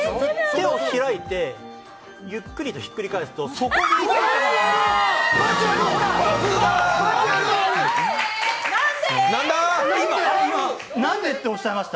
手を開いて、ゆっくりとひっくり返すとそこに×があるんです。